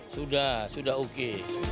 sudah sudah oke